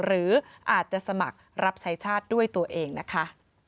หรืออาจจะสมัครรับใช้ชาติด้วยตัวเองนะคะ